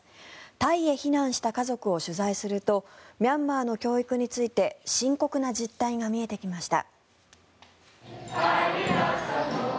タイへ避難した家族を取材するとミャンマーの教育について深刻な実態が見えてきました。